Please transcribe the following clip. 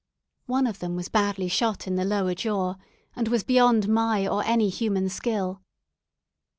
One of them was badly shot in the lower jaw, and was beyond my or any human skill.